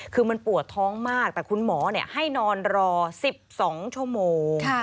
คือมันปวดท้องมากแต่คุณหมอให้นอนรอ๑๒ชั่วโมง